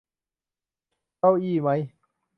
เก้าอี้มั๊ย